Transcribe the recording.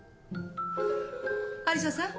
有沙さん